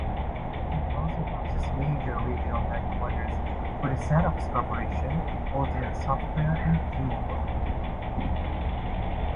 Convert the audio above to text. It also houses major regional headquarters for the Xerox corporation, Ultimate Software, and T-Mobile.